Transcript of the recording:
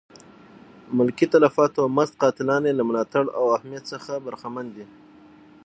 ملکي تلفاتو مست قاتلان یې له ملاتړ او حمایت څخه برخمن دي.